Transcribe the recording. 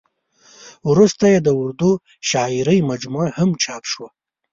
ورسته یې د اردو شاعرۍ مجموعه هم چاپ شوه.